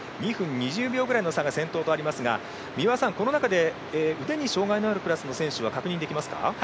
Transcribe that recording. ２分２０秒ぐらいの差が先頭とありますがこの中で腕に障がいのあるクラスの選手は確認できますか？